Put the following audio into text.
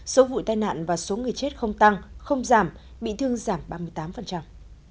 số vụ tai nạn và số người chết không tăng không giảm bị thương giảm ba mươi tám